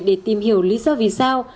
để tìm hiểu lý do vì sao